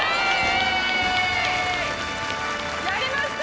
やりました！